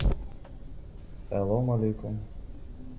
Это не пожелание, а наша прямая обязанность.